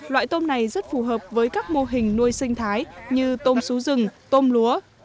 loại tôm này rất phù hợp với các mô hình nuôi sinh thái như tôm xú rừng tôm lúa